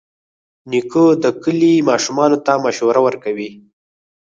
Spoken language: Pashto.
نیکه د کلي ماشومانو ته مشوره ورکوي.